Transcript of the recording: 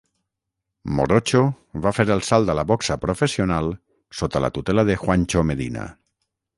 "Morocho" va fer el salt a la boxa professional sota la tutela de Juancho Medina.